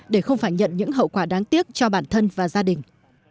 để không phải nhận những hậu quả đáng tiếc cho bản thân và gia đình